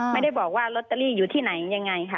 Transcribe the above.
ไม่ได้บอกว่าลอตเตอรี่อยู่ที่ไหนยังไงค่ะ